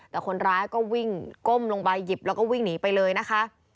แต่คนร้ายก็วิ่งก้มลงไปหยิบแล้วก็วิ่งหนีไปเลยนะคะ